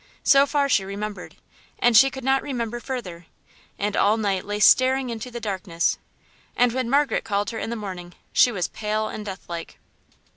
So far she remembered, and she could not remember further; and all night lay staring into the darkness, and when Margaret called her in the morning she was pale and deathlike.